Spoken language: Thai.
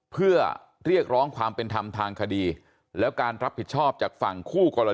เพื่อเรียกร้องความเป็นธรรมทางคดีแล้วการรับผิดชอบจากฝั่งคู่กรณี